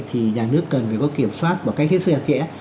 thì nhà nước cần phải có kiểm soát bằng cách hết sức hạt kẽ